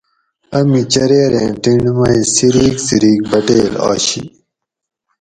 امی چریریں ٹِنڈ مئی څِریک څِریک بٹیل آشی